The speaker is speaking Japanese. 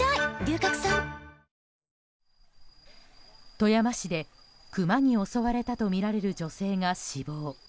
富山市で、クマに襲われたとみられる女性が死亡。